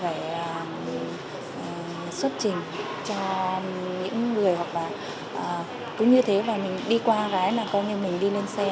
và xuất trình cho những người học bà cũng như thế và mình đi qua gái là coi như mình đi lên xe